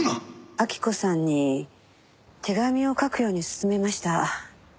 晃子さんに手紙を書くように勧めました。